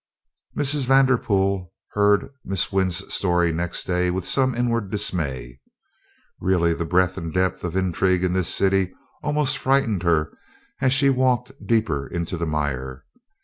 Mrs. Vanderpool heard Miss Wynn's story next day with some inward dismay. Really the breadth and depth of intrigue in this city almost frightened her as she walked deeper into the mire.